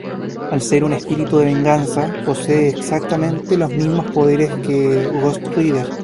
Al ser un espíritu de venganza, posee exactamente los mismos poderes que Ghost Rider.